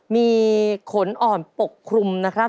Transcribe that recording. มีขนอ่อนปกคลุมนะครับ